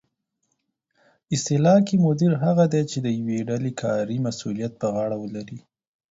اصطلاح کې مدیر هغه دی چې د یوې ډلې کاري مسؤلیت په غاړه ولري